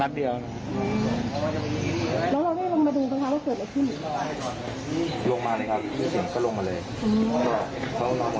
แล้วได้ยินเสียงฟูมิได้ไหม